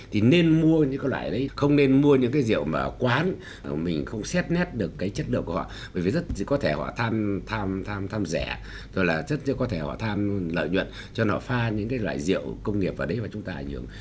thì nên mua những cái loại đấy không nên mua những cái rượu mà quán mình không xét nét được cái chất lượng của họ bởi vì rất có thể họ tham rẻ rồi là rất có thể họ tham lợi nhuận cho nên họ pha những cái loại rượu công nghiệp vào đấy và chúng ta